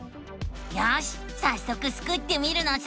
よしさっそくスクってみるのさ！